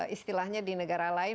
istilahnya di negara lain